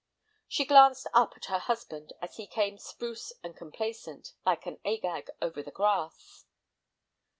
She glanced up at her husband as he came spruce and complacent, like any Agag, over the grass.